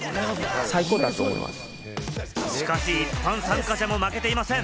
しかし、一般参加者も負けていません。